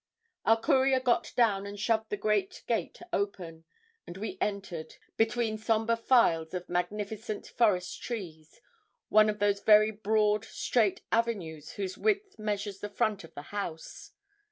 Our courier got down and shoved the great gate open, and we entered, between sombre files of magnificent forest trees, one of those very broad straight avenues whose width measures the front of the house.